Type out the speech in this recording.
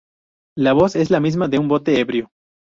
La voz es la misma de un bote ebrio.